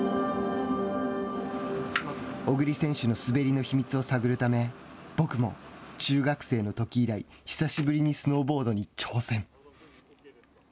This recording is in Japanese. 小栗選手の滑りの秘密を探るため僕も中学生のとき以来久しぶりにスノーボードに挑戦。